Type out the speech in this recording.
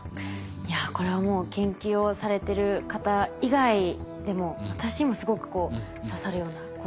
いやこれはもう研究をされてる方以外でも私にもすごくこう刺さるような言葉でした。